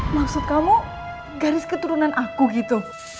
maksud kamu garis keturunan aku gitu